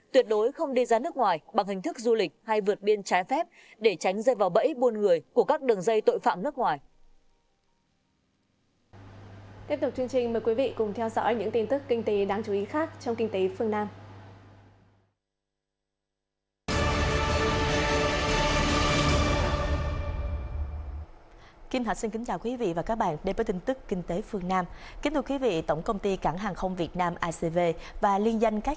tuyệt đối không đi ra nước ngoài bằng hình thức du lịch hay vượt biên trái phép để tránh dây vào bẫy buôn người của các đường dây tội phạm nước ngoài